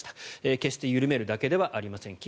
決して緩めるだけではありません。